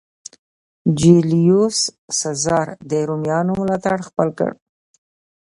جیولیوس سزار د رومیانو ملاتړ خپل کړ.